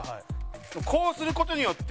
こうする事によって。